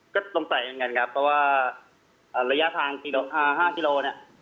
ก็สงสัยเหมือนกันครับเพราะว่าอ่าระยะทางกิโลอ่าห้ากิโลเนี้ย